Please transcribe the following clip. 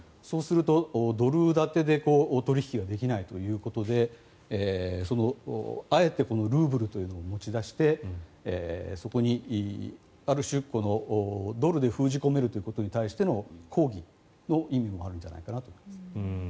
そうすると、ドル建てで取引ができないということであえてルーブルというのを持ち出してそこにある種、ドルで封じ込めるということに対しての抗議の意味もあるんじゃないかなと思います。